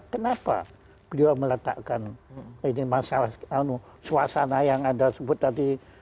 kenapa beliau meletakkan ini masalah suasana yang anda sebut tadi